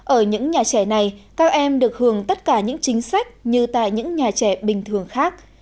ở những nhà trẻ này các em được hưởng tất cả những chính sách như tại những nhà trẻ bình thường khác